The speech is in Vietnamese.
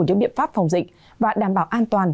những biện pháp phòng dịch và đảm bảo an toàn